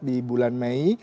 di bulan mei